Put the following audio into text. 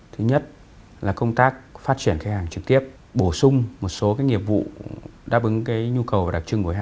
thứ nhất là công tác phát triển khách hàng trực tiếp bổ sung một số nghiệp vụ đáp ứng cái nhu cầu và đặc trưng của khách hàng